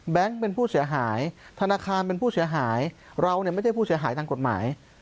เป็นผู้เสียหายธนาคารเป็นผู้เสียหายเราเนี่ยไม่ใช่ผู้เสียหายทางกฎหมาย